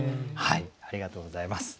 ありがとうございます。